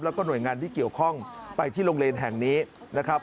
แล้วก็หน่วยงานที่เกี่ยวข้องไปที่โรงเรียนแห่งนี้นะครับ